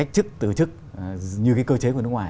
chức từ chức như cái cơ chế của nước ngoài